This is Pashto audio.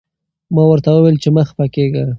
ما ورته وویل چې مه خفه کېږه.